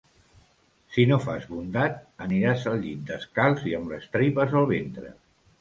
Si no fas bondat, aniràs al llit descalç i amb les tripes al ventre.